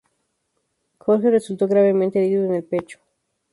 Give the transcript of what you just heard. Jorge resultó gravemente herido en el pecho.